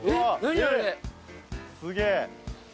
すげえ！